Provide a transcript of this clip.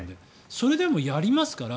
それでもやりますから。